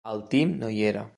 El Tim no hi era.